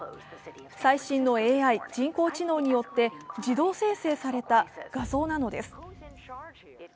最新のＡＩ＝人工知能によって自動生成された画像なのです。